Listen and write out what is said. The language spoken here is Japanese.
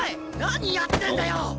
何やってんだよ！